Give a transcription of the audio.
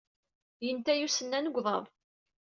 Yenta- iyi usennan deg uḍaḍ.